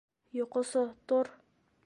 —Йоҡосо, тор!